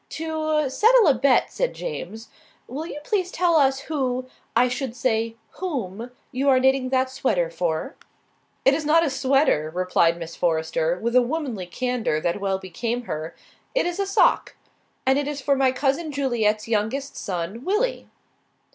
"To settle a bet," said James, "will you please tell us who I should say, whom you are knitting that sweater for?" "It is not a sweater," replied Miss Forrester, with a womanly candour that well became her. "It is a sock. And it is for my cousin Juliet's youngest son, Willie."